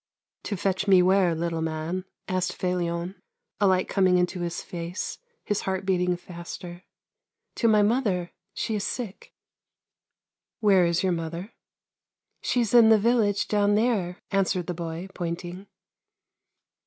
"To fetch me where, little man?" asked Felion, a light coming into his face, his heart beating faster. " To my mother. She is sick." " Where is your mother? "" She's in the village down there," answered the boy, pointing.